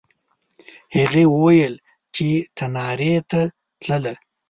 هغې وویل چې تنارې ته تلله.